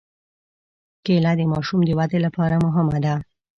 کېله د ماشوم د ودې لپاره مهمه ده.